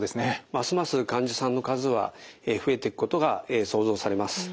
ますます患者さんの数は増えていくことが想像されます。